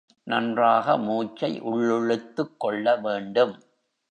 நன்றாக மூச்சை உள்ளிழுத்துக் கொள்ள வேண்டும்.